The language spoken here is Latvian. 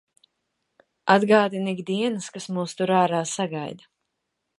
Atgādina ik dienas, kas mūs tur ārā sagaida.